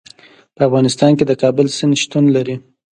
په افغانستان کې د کابل سیند شتون لري.